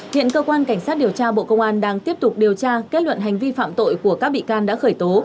hiện cơ quan cảnh sát điều tra bộ công an đang tiếp tục điều tra kết luận hành vi phạm tội của các bị can đã khởi tố